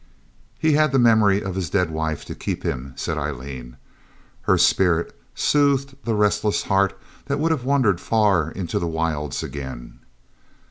'He had the memory of his dead wife to keep him,' said Aileen. 'Her spirit soothed the restless heart that would have wandered far into the wilds again.'